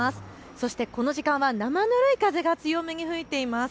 そしてこの時間はなまぬるい風が強めに吹いています。